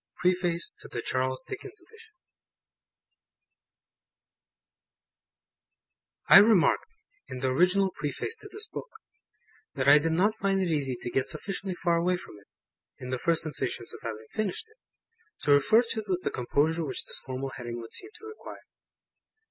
PREFACE TO THE CHARLES DICKENS EDITION I REMARKED in the original Preface to this Book, that I did not find it easy to get sufficiently far away from it, in the first sensations of having finished it, to refer to it with the composure which this formal heading would seem to require.